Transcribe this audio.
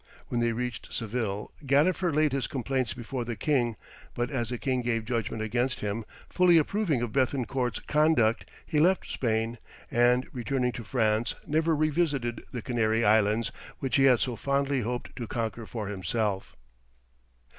When they reached Seville, Gadifer laid his complaints before the king, but as the king gave judgment against him, fully approving of Béthencourt's conduct, he left Spain, and returning to France, never revisited the Canary Islands which he had so fondly hoped to conquer for himself.